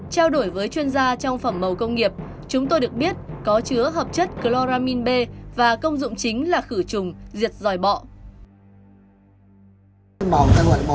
trao đổi với chuyên gia trong phẩm màu công nghiệp chúng tôi được biết có chứa hợp chất chloramin b và công dụng chính là khử trùng diệt giòi bọ